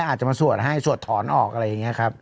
อาจจะมาสวดให้สวดถอนออกอะไรอย่างนี้ครับ